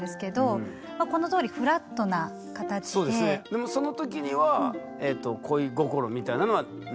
でもそのときには恋心みたいなのはないですよね？